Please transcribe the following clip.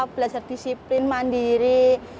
belajar disiplin mandiri